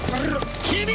君！